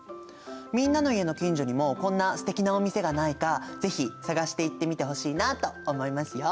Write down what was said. みんなの家の近所にもこんなすてきなお店がないか是非探して行ってみてほしいなと思いますよ。